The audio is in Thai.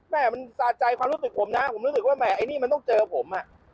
แม่มันสะใจความรู้สึกผมนะผมรู้สึกว่าแม่ไอ้นี่มันต้องเจอผมอ่ะ